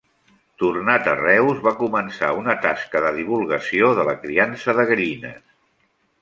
Tornat a Reus, va començar una tasca de divulgació de la criança de gallines.